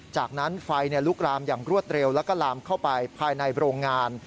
จากนั้นไฟลุกลามอย่างรวดเร็วแล้วก็ลามเข้าไปภายในโรงงาน